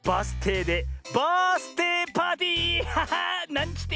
なんちって！